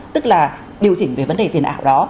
tức là điều chỉnh về vấn đề tiền ảo đó